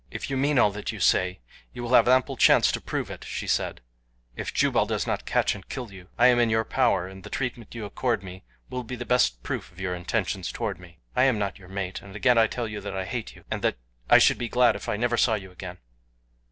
"If you mean all that you say you will have ample chance to prove it," she said, "if Jubal does not catch and kill you. I am in your power, and the treatment you accord me will be the best proof of your intentions toward me. I am not your mate, and again I tell you that I hate you, and that I should be glad if I never saw you again."